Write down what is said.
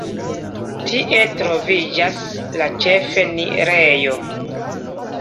Tie troviĝas la ĉefenirejo.